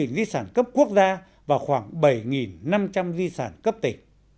đất nước ta có tổng cấp quốc gia và khoảng bảy năm trăm linh di sản cấp tỉ